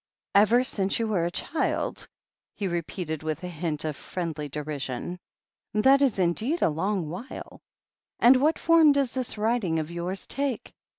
"Ever since you were a child !" he repeated with a hint of friendly derision. "That is indeed a long while. THE HEEL OF ACHILLES 153 And what fonn does this writing of yours take?